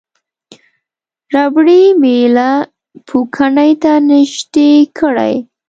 ربړي میله پوکڼۍ ته نژدې کړئ.